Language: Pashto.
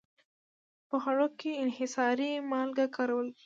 په خوړو کې انحصاري مالګه کارول.